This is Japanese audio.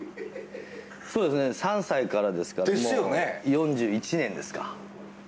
そうですね、３歳からですからもう４１年ですか。